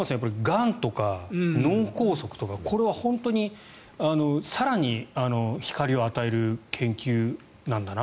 がんとか脳梗塞とかこれは本当に更に光を与える研究なんだな